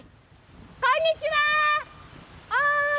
こんにちは！